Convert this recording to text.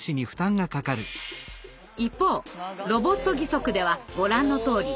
一方ロボット義足ではご覧のとおり。